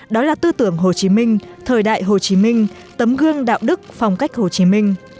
đó là tư tưởng hồ chí minh thời đại hồ chí minh tấm gương đạo đức phong cách hồ chí minh